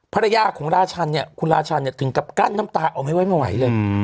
ภรรยาของราชันคุณราชันถึงกับกั้นน้ำตาออกมาไม่ไหวเลย